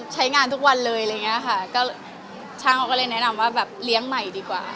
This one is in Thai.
ใช้งานทุกวันเลยช่างเขาก็เลยแนะนำว่าเลี้ยงใหม่ดีกว่า